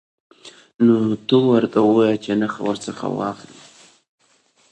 نو ته ورته ووایه چې نخښه ورڅخه واخلئ.